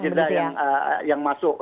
ada juga ada juga yang masuk